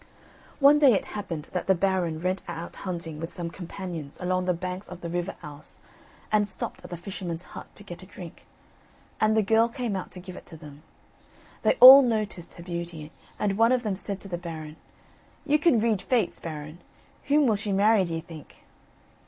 One day it happened that the Baron went out hunting with some companions along the banks of the River Ouse, and stopped at the fisherman's hut to get a drink, and the girl came out to give it to them. They all noticed her beauty, and one of them said to the Baron: "You can read fates, Baron, whom will she marry, d'ye think?"